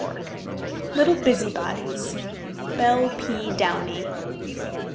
] LITTLE BUSYBODIES. BELLE P. DOWNEY.